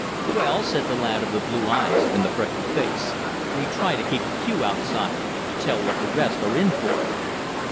"Well," said the lad of the blue eyes and the freckled face, "we try to keep a few outside, to tell what the rest are in for!"